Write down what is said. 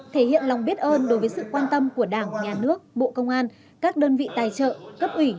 thể hiện lòng biết ơn đối với sự quan tâm của đảng nhà nước bộ công an các đơn vị tài trợ cấp ủy